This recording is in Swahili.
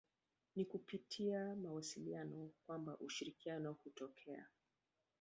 Ni kupitia mawasiliano kwamba ushirikiano hutokea.